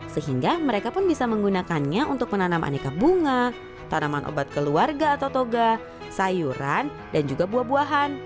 sehingga mereka pun bisa menggunakannya untuk menanam aneka bunga tanaman obat keluarga atau toga sayuran dan juga buah buahan